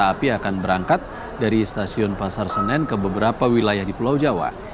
api akan berangkat dari stasiun pasar senen ke beberapa wilayah di pulau jawa